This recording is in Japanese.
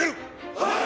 はい！